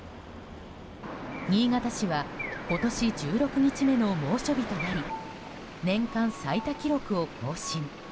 新潟市は今年１６日目の猛暑日となり年間最多記録を更新。